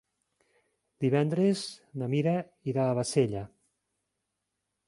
Divendres na Mira irà a Bassella.